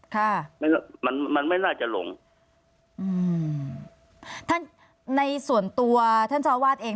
ค่ะมันมันไม่น่าจะหลงอืมท่านในส่วนตัวท่านเจ้าอาวาสเอง